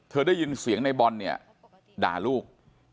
ได้ยินเสียงในบอลเนี่ยด่าลูก